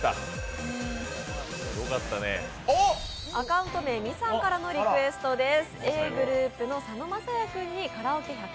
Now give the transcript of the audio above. アカウント名、ミさんからのリクエストです。